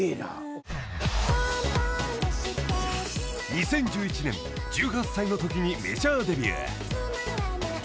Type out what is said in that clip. ［２０１１年１８歳のときにメジャーデビュー］